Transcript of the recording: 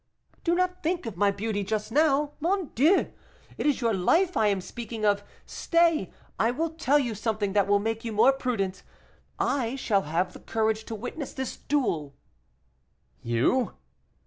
"Do not think of my beauty just now! Mon Dieu! it is your life I am speaking of. Stay, I will tell you something that will make you more prudent I shall have the courage to witness this duel." "You!"